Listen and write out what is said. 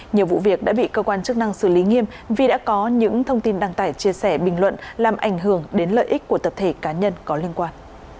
nhiều vụ việc đã bị cơ quan chức năng xử lý nghiêm vì đã có những thông tin đăng tải chia sẻ bình luận làm ảnh hưởng đến lợi ích của tập thể cá nhân có liên quan